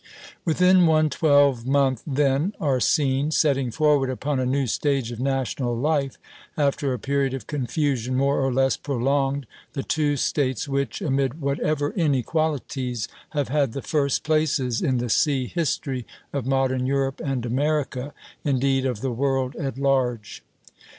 Within one twelvemonth then are seen, setting forward upon a new stage of national life, after a period of confusion more or less prolonged, the two States which, amid whatever inequalities, have had the first places in the sea history of modern Europe and America, indeed, of the world at large.